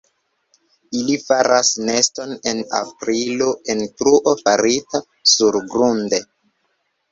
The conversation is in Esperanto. Ili faras neston en aprilo en truo farita surgrunde.